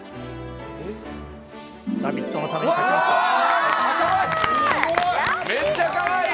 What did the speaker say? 「ラヴィット！」のために描きましたかわいい！